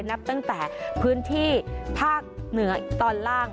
นับตั้งแต่พื้นที่ภาคเหนือตอนล่าง